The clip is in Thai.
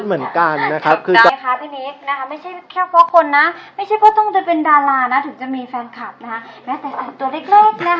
เป็นดารานะถึงจะมีแฟนคลับนะฮะแต่ตัวเล็กเล็กนะฮะ